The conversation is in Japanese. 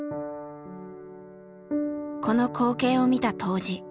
この光景を見た杜氏。